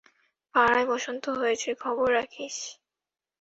পাড়ায় বসন্ত হয়েছে খবর রাখিস?